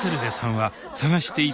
はい。